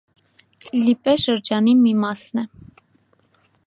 Լիպե շրջանի մի մասն է։